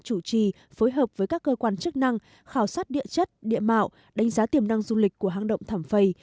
chủ trì phối hợp với các cơ quan chức năng khảo sát địa chất địa mạo đánh giá tiềm năng du lịch của hang động thảm phầy